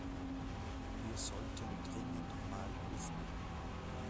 Wir sollten dringend mal lüften.